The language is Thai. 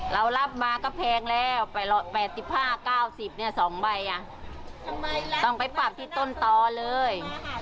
เรารับมาก็แพงแล้ว๘๕๙๐เนี่ย๒ใบต้องไปปรับที่ต้นตอเลย